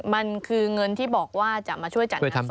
มันคือเงินที่บอกว่าจะมาช่วยจัดงานศพ